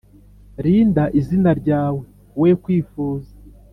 Rinda izina ryawe we kwifuza